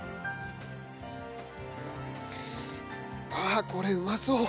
ああこれうまそう。